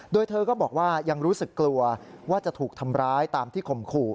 โดยเธอก็บอกว่ายังรู้สึกกลัวว่าจะถูกทำร้ายตามที่ข่มขู่